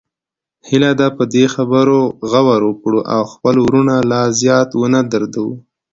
هیله ده په دې خبرو غور وکړو او خپل وروڼه لا زیات ونه دردوو